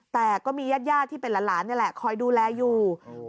แต่ก็มีญาติที่เป็นหลานนี่แหละคอยดูแลอยู่